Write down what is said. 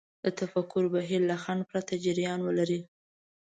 د تفکر بهير له خنډ پرته جريان ولري.